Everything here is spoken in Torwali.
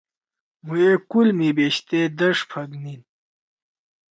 مھوئے کُول می بیشتے دݜے پھیگنیِن۔